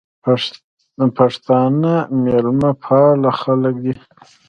پښتانه میلمه پاله خلک دي